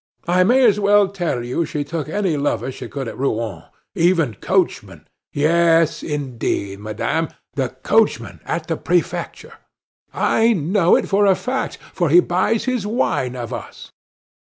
I may as well tell you she took any lovers she could get at Rouen even coachmen! Yes, indeed, madame the coachman at the prefecture! I know it for a fact, for he buys his wine of us.